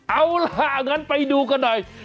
เอาล่ะงั้นไปดูกันหน่อย